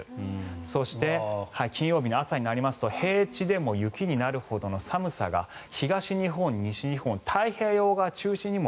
そして、金曜日の朝になりますと平地でも雪になるほどの寒さが東日本、西日本太平洋側中心にも